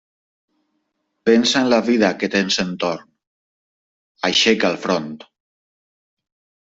Pensa en la vida que tens entorn: aixeca el front.